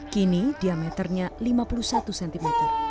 kini diameternya lima puluh satu cm